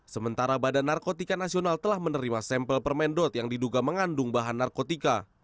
sementara badan narkotika nasional telah menerima sampel permendot yang diduga mengandung bahan narkotika